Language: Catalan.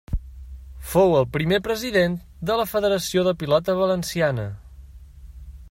Fou el primer president de la Federació de Pilota Valenciana.